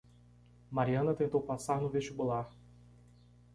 Mariana tentou passar no vestibular.